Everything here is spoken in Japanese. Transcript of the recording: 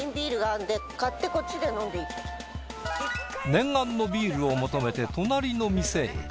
念願のビールを求めて隣の店へ。